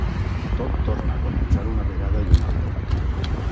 Tot torna a començar una vegada i una altra.